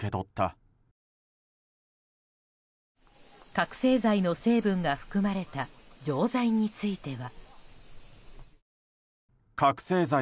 覚醒剤の成分が含まれた錠剤については。